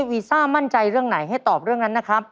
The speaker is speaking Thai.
วีซ่ามั่นใจเรื่องไหนให้ตอบเรื่องนั้นนะครับ